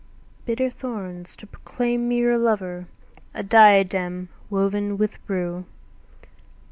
Bitter thorns to proclaim me your lover, A diadem woven with rue.